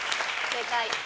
正解！